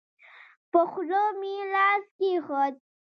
په خوله مې لاس کېښود.